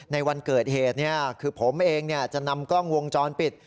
ในวันเกิดเหตุคือผมเองจะนำกล้องวงจรปิด